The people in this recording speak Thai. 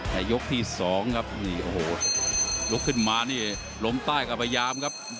ในยกที่๒ครับโอ้โหลงขึ้นมานี่ล้มใต้กลับไปยามครับ